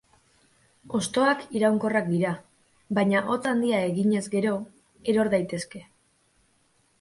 Hostoak iraunkorrak dira, baina hotz handia eginez gero, eror daitezke.